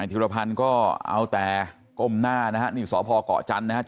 สติสตางค์ยังดีอยู่ไหม